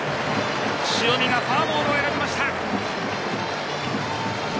塩見がフォアボールを選びました。